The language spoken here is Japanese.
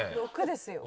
６ですよ。